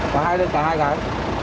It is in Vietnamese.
có hai đường cả hai cái